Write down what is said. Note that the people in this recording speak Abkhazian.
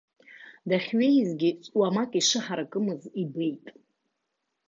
Дахьҩеизгьы уамак ишыҳаракымыз ибеит.